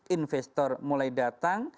investor mulai datang